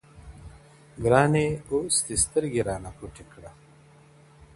• گراني اوس دي سترگي رانه پټي كړه.